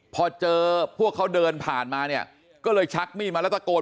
พอเจอพวกเขาเดินผ่านมาเนี่ยก็เลยชักมีดมาแล้วตะโกน